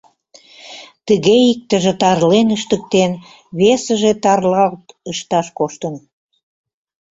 Тыге иктыже тарлен ыштыктен, весыже тарлалт ышташ коштын.